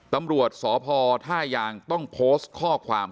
ตำรวจสพท่ายางต้องโพสต์ข้อความ